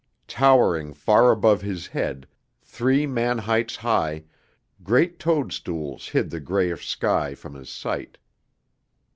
Towering far above his head, three man heights high, great toadstools hid the grayish sky from his sight.